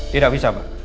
tidak bisa pak